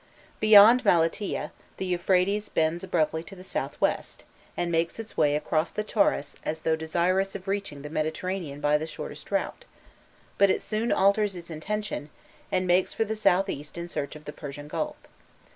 Beyond Malatiyeh, the Euphrates bends abruptly to the south west, and makes its way across the Taurus as though desirous of reaching the Mediterranean by the shortest route, but it soon alters its intention, and makes for the south east in search of the Persian Gulf.